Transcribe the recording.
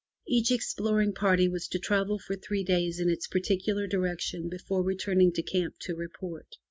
Each exploring party was to travel for three days in its particular direction before returning to camp to report.